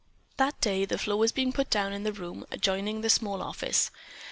"That day the floor was being put down in the room adjoining the small office.